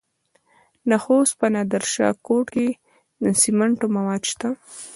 د خوست په نادر شاه کوټ کې د سمنټو مواد شته.